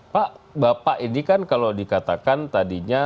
pak bapak ini kan kalau dikatakan tadinya